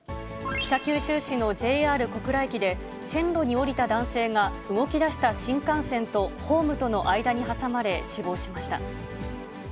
北九州市のＪＲ小倉駅で、線路に下りた男性が、動きだした新幹線とホームとの間に挟まれ、死亡しました。